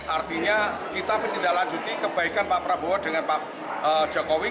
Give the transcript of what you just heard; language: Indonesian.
artinya kita menindaklanjuti kebaikan pak prabowo dengan pak jokowi